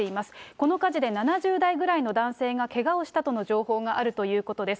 この火事で７０代ぐらいの男性がけがをしたとの情報があるということです。